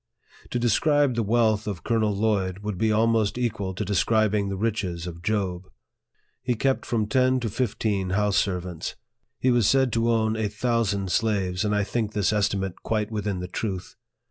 To describe the wealth of Colonel Lloyd would be almost equal to describing the riches of Job. He kept from ten to fifteen house servants. He was said to own a thousand slaves, and I think this ^stimate quite within the truth.